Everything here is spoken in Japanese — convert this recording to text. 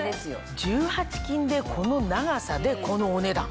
１８金でこの長さでこのお値段。